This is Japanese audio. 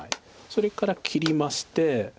それから切りまして。